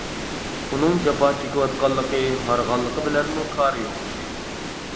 ئۇنىڭ جاپا چېكىۋاتقانلىقى، ھارغانلىقى بىلەنمۇ كارى يوق ئىدى.